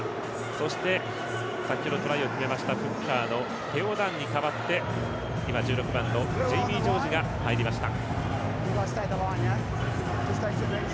そして先ほどトライを決めましたフッカーのテオ・ダンに代わって１６番ジェイミー・ジョージが入りました。